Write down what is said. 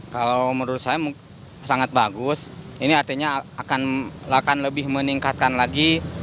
kalau menurut saya sangat bagus ini artinya akan lebih meningkatkan lagi